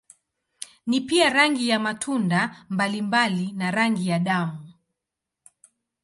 Ni pia rangi ya matunda mbalimbali na rangi ya damu.